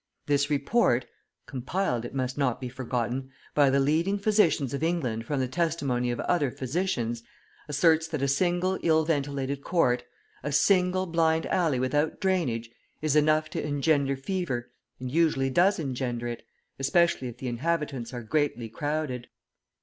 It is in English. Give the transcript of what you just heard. This report, compiled, it must not be forgotten, by the leading physicians of England from the testimony of other physicians, asserts that a single ill ventilated court, a single blind alley without drainage, is enough to engender fever, and usually does engender it, especially if the inhabitants are greatly crowded.